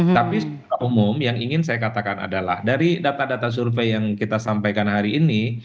tapi secara umum yang ingin saya katakan adalah dari data data survei yang kita sampaikan hari ini